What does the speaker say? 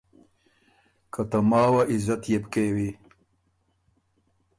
که ته ماوه عزت يې بو کېوی۔